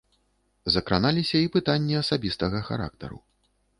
Закраналіся і пытанні асабістага характару.